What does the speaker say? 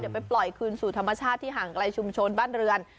เดี๋ยวไปปล่อยคืนสู่ธรรมชาติที่ห่างไกลชุมชนบ้านเรือน